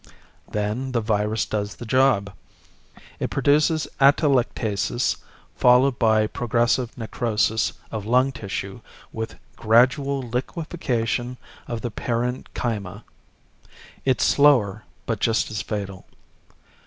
"Then the virus does the job. It produces atelectasis followed by progressive necrosis of lung tissue with gradual liquefaction of the parenchyma. It's slower, but just as fatal.